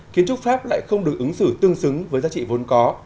kiến trúc pháp lại không được ứng xử tương xứng với giá trị vốn có